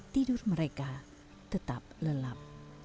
tidur mereka tetap lelap